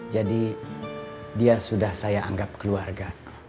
jadi dia sudah saya anggap keluarga